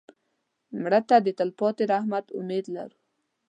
مړه ته د تلپاتې رحمت امید لرو